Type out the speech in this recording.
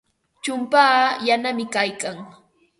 Chumpaa yanami kaykan.